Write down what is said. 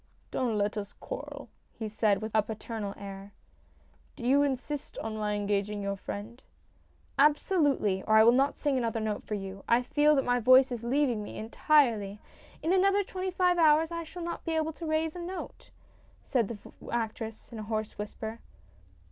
" Don't let us quarrel," he said with a paternal air. " Do you insist on my engaging your friend ?" "Absolutely, or I will not sing another note for you. I feel that my voice is leaving me entirely. In another twenty five hours I shall not be able to raise a note," said the actress, in a hoarse whisper.